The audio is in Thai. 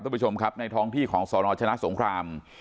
คุณผู้ชมครับในท้องที่ของสนชนะสงคราม